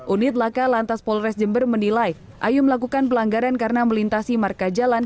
unit laka lantas polres jember menilai ayu melakukan pelanggaran karena melintasi marka jalan